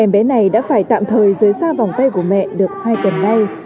em bé này đã phải tạm thời dưới da vòng tay của mẹ được hai tuần nay